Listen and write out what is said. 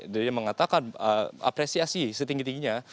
dia mengatakan apresiasi setinggi tingginya